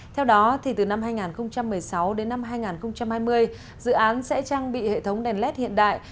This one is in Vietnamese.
theo đó từ năm hai nghìn một mươi sáu đến năm hai nghìn hai mươi dự án sẽ trang bị hệ thống đèn led hiện đại